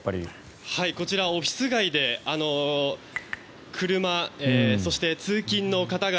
こちら、オフィス街で車、そして、通勤の方々